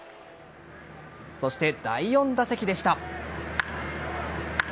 そして、第４打席でした。